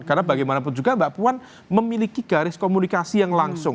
karena bagaimanapun juga mbak puan memiliki garis komunikasi yang langsung